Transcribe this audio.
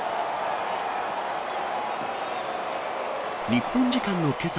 日本時間のけさ